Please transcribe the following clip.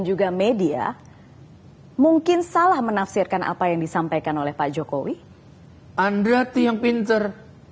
juga media mungkin salah menafsirkan apa yang disampaikan oleh pak jokowi andre to yang pinter